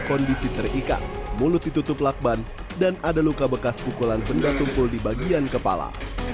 kondisi terikat mulut ditutup lakban dan ada luka bekas pukulan benda tumpul di bagian kepala